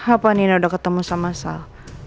apa nina udah ketemu sama sal